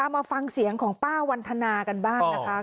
มาฟังเสียงของป้าวันทนากันบ้างนะคะ